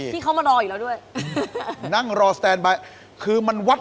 หมายเลข๕๐๐๐บาท